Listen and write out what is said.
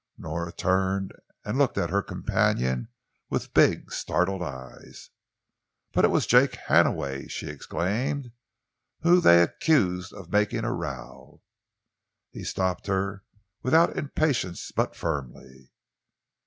'" Nora turned and looked at her companion with big, startled eyes. "But it was Jake Hannaway," she exclaimed, "whom they accused of making a row!" He stopped her, without impatience but firmly.